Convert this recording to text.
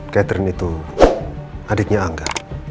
catherine itu adiknya angga